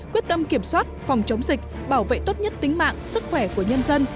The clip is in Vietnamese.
quyết tâm kiểm soát phòng chống dịch bảo vệ tốt nhất tính mạng sức khỏe của nhân dân